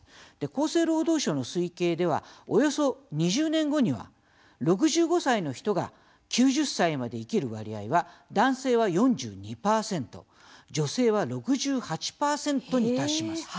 厚生労働省の推計ではおよそ２０年後には６５歳の人が９０歳まで生きる割合は男性は４２％女性は６８％に達します。